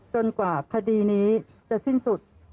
กว่าคดีนี้จะสิ้นสุด